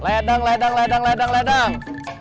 ledang ledang ledang ledang ledang